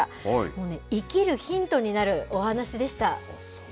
もうね、生きるヒントになるお話でした。